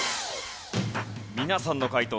皆さんの解答